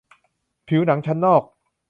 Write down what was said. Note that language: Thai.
ผิวหนังชั้นนอก